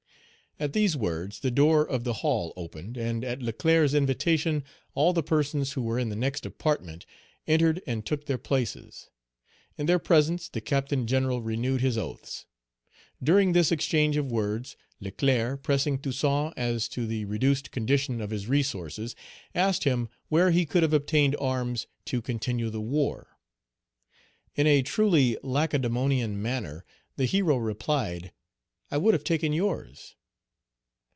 At these words the door of the hall opened, and at Leclerc's invitation all the persons who were in the next apartment entered and took their places. In their presence the Captain General renewed his oaths. During this exchange of words, Leclerc, pressing Toussaint as to the reduced condition of his resources, asked him where he could have obtained arms to continue the war. In a truly Lacedemonian manner the hero replied, "I would have taken yours."